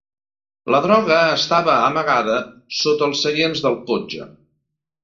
La droga estava amagada sota els seients del cotxe.